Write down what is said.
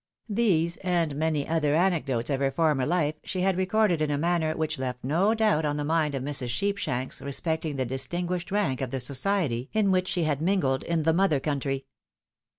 These, and many other anecdotes of her former hfe, she had recorded in a manner which left no doubt on the mind of Mrs. Sheepshanks respecting the distinguished rank of the society in which she had mingled in the mother country.